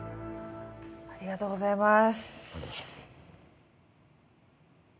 ありがとうございます。